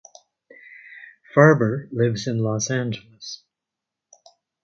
Farber lives in Los Angeles.